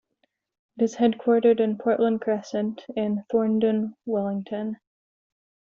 It is headquartered in Portland Crescent in Thorndon, Wellington.